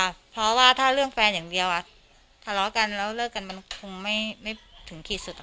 มันผสมกันหมดค่ะเพราะว่าถ้าเรื่องแฟนอย่างเดียวทะเลาะกันแล้วเลิกกันมันคงไม่ถึงที่สุดค่ะ